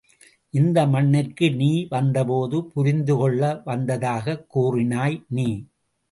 இந்த மண்ணிற்கு நீ வந்தபோது புரிந்துகொள்ள வந்ததாகக் கூறினாய் நீ.